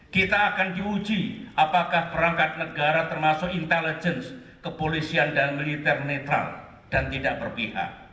kita akan diuji apakah perangkat negara termasuk intelligence kepolisian dan militer netral dan tidak berpihak